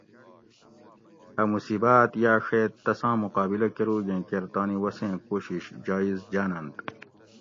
اۤ مصیبٰت یاڛیت تساں مقابلہ کروگیں کیر تانی وسیں کوشش جایٔز جاۤننت